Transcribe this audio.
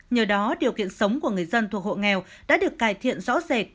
nhờ đó điều kiện sống của người dân thuộc hộ nghèo đã được cải thiện rõ rệt